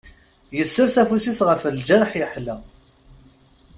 Yessers afus-is ɣef lǧerḥ yeḥla.